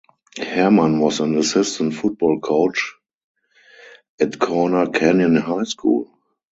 Herrmann was an assistant football coach at Corner Canyon High School.